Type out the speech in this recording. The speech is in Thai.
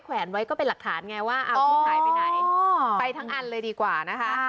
แวนไว้ก็เป็นหลักฐานไงว่าเอาชุดหายไปไหนไปทั้งอันเลยดีกว่านะคะ